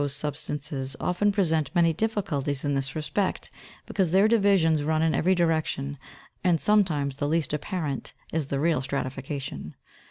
Schistose substances often present many difficulties, in this respect, because their divisions run in every direction, and some times the least apparent is the real stratification.